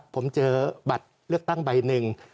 ผมเจอบัตรเลือกตั้งใบหนึ่ง